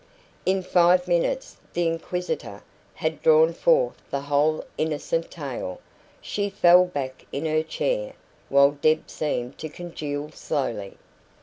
In five minutes the inquisitor had drawn forth the whole innocent tale. She fell back in her chair, while Deb seemed to congeal slowly.